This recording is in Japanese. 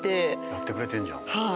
やってくれてるんじゃん。